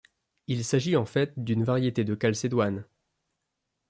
Il s'agit en fait d'une variété de calcédoine.